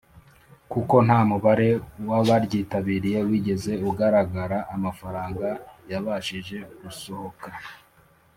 Kuko Nta Mubare W Abaryitabiriye Wigeze Ugaragara Amafaranga Yabashije gusohoka